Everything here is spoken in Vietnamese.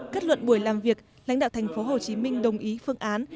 cất luận buổi làm việc lãnh đạo thành phố hồ chí minh đồng ý phương án